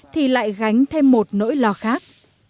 thì lại gánh thêm một nỗi lo khác